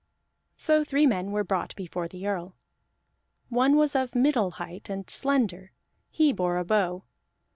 So three men were brought before the Earl. One was of middle height, and slender; he bore a bow.